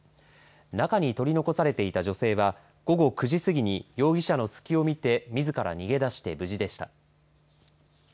中に取り残されていた女性は午後９時過ぎに容疑者の隙を見てみずから逃げ出して無事でした。